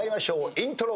イントロ。